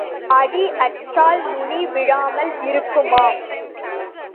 அடி அற்றால் நுனி விழாமல் இருக்குமா?